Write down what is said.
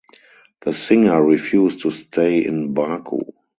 The singer refused to stay in Baku.